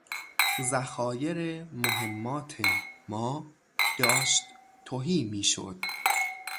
ذخایر مهمات ما داشت تهی میشد.